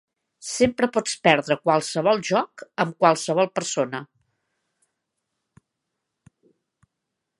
Sempre pots perdre qualsevol joc, amb qualsevol persona.